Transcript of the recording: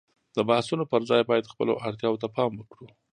د بحثونو پر ځای باید خپلو اړتياوو ته پام وکړو.